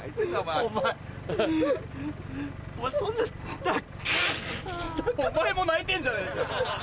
お前も泣いてんじゃねえかよ！